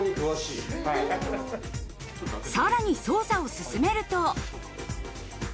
さらに捜査を進めると。